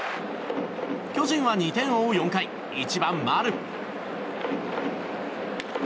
巨人は２点を追う４回１番、丸。